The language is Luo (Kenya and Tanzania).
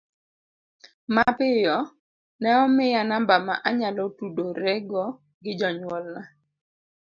Mapiyo, ne omiya namba ma anyalo tudorego gi jonyuolna.